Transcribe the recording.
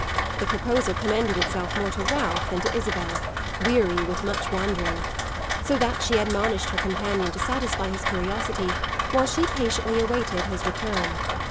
The proposal commended itself more to Ralph than to Isabel, weary with much wandering; so that she admonished her companion to satisfy his curiosity while she patiently awaited his return.